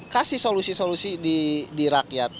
kasih solusi solusi di rakyat